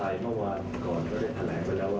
ไม่ต้องการหยุดการศึกษาตำนานต่อไป